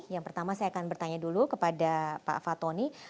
yang pertama saya akan bertanya dulu kepada pak fatoni